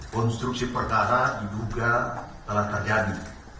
konstruksi perkara diduga telah terjadi